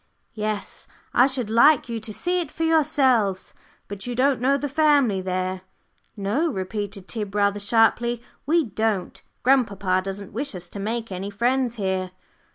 "Yes, I should like you to see it for yourselves. But you don't know the family there?" "No," repeated Tib, rather sharply, "we don't. Grandpapa doesn't wish us to make any friends here."